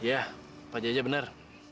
iya pak jajah bener